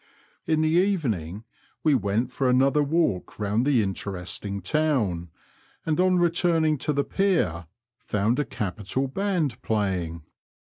. In the evening we went for another walk round the interesting town, and on returning to the Pier found a capital band playing.